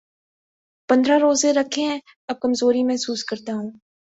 پندرہ روزے رکھے ہیں‘ اب کمزوری محسوس کر تا ہوں۔